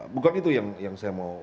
bukan itu yang saya mau